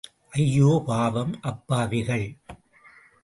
ஐயோ, பாவம் அப்பாவிகள்!